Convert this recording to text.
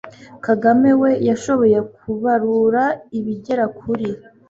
kagame we yashoboye kubarura ibigera kuri